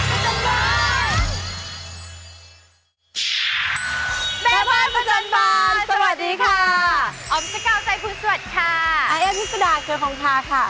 อาเอภิกษ์สุดาคือของค่าค่ะ